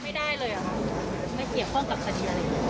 ไม่เกี่ยวข้องกับคดีอะไร